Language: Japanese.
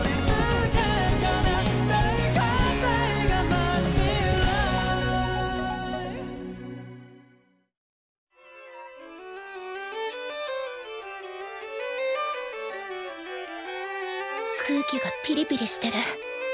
私も空気がピリピリしてる。